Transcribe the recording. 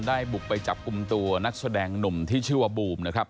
บุกไปจับกลุ่มตัวนักแสดงหนุ่มที่ชื่อว่าบูมนะครับ